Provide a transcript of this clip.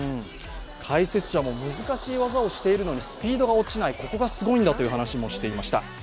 解説者も、難しい技をしているのにスピードが落ちないのがすごいんだという話もしていました。